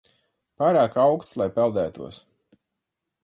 Pārāk auksts, lai peldētos.